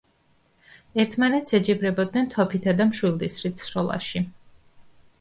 ერთმანეთს ეჯიბრებოდნენ თოფითა და მშვილდ-ისრით სროლაში.